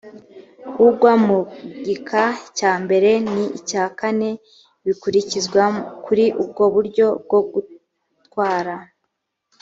ugwa mu gika cya mbere n icya kane bikurikizwa kuri ubwo buryo bwo gutwara